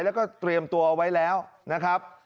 แล้วก็เตรียมตัวเอาไว้แล้วนะครับ